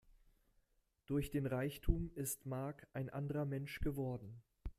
Durch den Reichtum ist Mark ein anderer Mensch geworden.